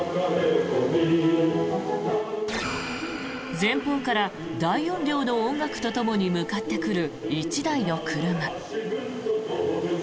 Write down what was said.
前方から大音量の音楽とともに向かってくる１台の車。